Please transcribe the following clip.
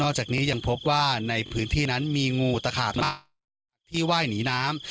จากนี้ยังพบว่าในพื้นที่นั้นมีงูตะขาบที่ไหว้หนีน้ำ